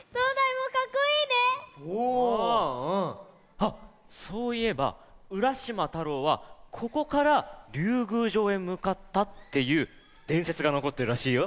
はっそういえばうらしまたろうはここからりゅうぐうじょうへむかったっていうでんせつがのこってるらしいよ。